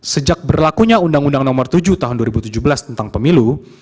sejak berlakunya undang undang nomor tujuh tahun dua ribu tujuh belas tentang pemilu